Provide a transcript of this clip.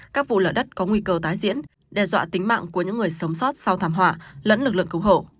các vụ lở đất có nguy cơ tái diễn đe dọa tính mạng của những người sống sót sau thảm họa lẫn lực lượng cứu hộ